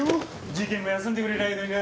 事件も休んでくれりゃいいのにな。